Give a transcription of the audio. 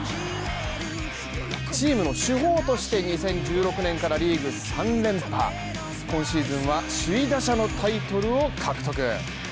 チームの主砲として２０１６年からリーグ３連覇、今シーズンは首位打者のタイトルを獲得。